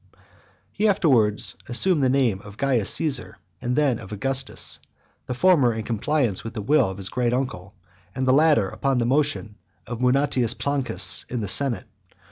He afterwards assumed the name of Caius Caesar, and then of Augustus; the former in compliance with the will of his great uncle, and the latter upon a motion of Munatius Plancus in the senate.